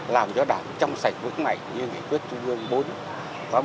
làm cho đảng trong sạch vững mạnh như nghị quyết trung ương bốn